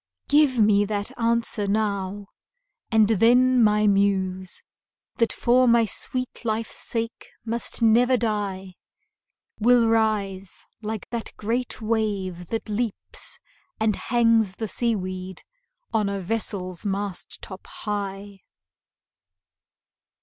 Give me that answer now, and then my Muse, That for my sweet life's sake must never die, Will rise like that great wave that leaps and hangs The sea weed on a vessel's mast top high.